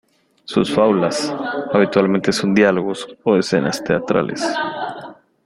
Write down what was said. Sus fábulas, habitualmente, son diálogos o escenas teatrales.